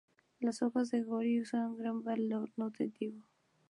Las hojas de nori gozan de un gran valor nutritivo.